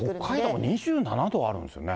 北海道２７度あるんですね。